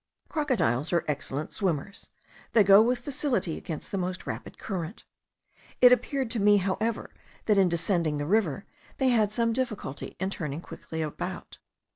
Crocodiles are excellent swimmers; they go with facility against the most rapid current. It appeared to me, however, that in descending the river, they had some difficulty in turning quickly about.